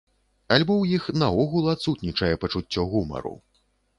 Альбо ў іх наогул адсутнічае пачуццё гумару.